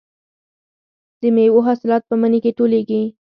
د میوو حاصلات په مني کې ټولېږي.